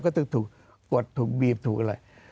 ก็ต้องถูกกดถูกบีบถูกอะไร